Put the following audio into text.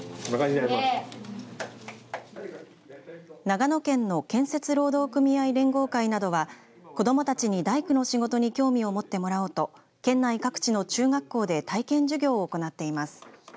長野県の建設労働組合連合会などは子どもたちに大工の仕事に興味を持ってもらおうと県内各地の中学校で体験授業を行っています。